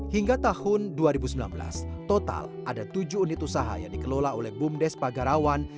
hingga tahun dua ribu sembilan belas total ada tujuh unit usaha yang dikelola oleh bumdes pagarawan